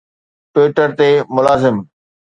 Twitter تي ملازم